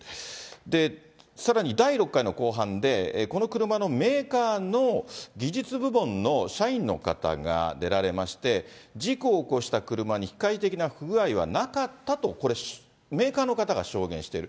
で、さらに第６回の公判で、この車のメーカーの技術部門の社員の方が出られまして、事故を起こした車に、機械的な不具合はなかったと、これ、メーカーの方が証言している。